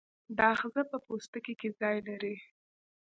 دا آخذه په پوستکي کې ځای لري.